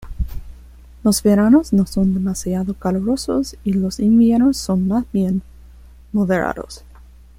Los veranos no son demasiado calurosos y los inviernos son más bien moderados.